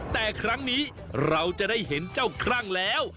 แต่ครั้งนี้เราจะได้เห็นเจ้าครั่งแล้ว